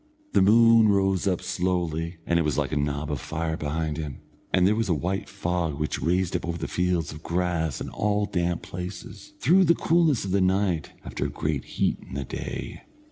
The moon rose slowly, and it was like a knob of fire behind him; and there was a white fog which was raised up over the fields of grass and all damp places, through the coolness of the night after a great heat in the day.